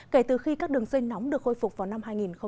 kể từ khi các đường dây nóng được khôi phục vào năm hai nghìn một mươi